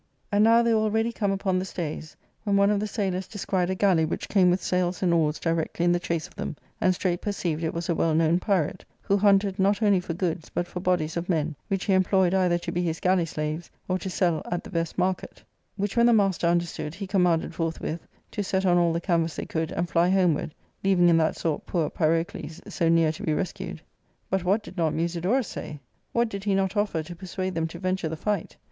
. ARCADIA.—Book I. \ r ~^ And now they were already come upon the stays,* when one of the sailors descried a galley which came with sails and oars directly in the chase of them, and straight perceived it was a well known pirate, who hunted, not only for goods, but for bodies of men, which he employed either to be his galley slaves or to sell at the best market ; which when the master understood, he commanded forthwith to set on all the canvas they could and fly homeward, leaving in that sort poor Pyrocles, so near to be rescued. But what did not Musidorus say ? What did he not offer to persuade them to venture the fight